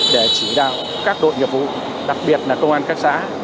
để chỉ đạo các đội nghiệp vụ đặc biệt là công an các xã